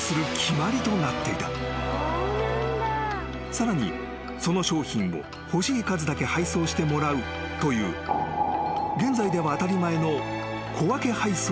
［さらにその商品を欲しい数だけ配送してもらうという現在では当たり前の］